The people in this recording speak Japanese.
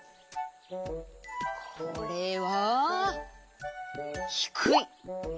これはひくい。